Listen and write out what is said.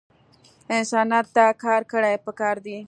انسانیت ته کار کړل پکار دے